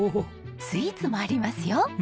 スイーツもありますよ！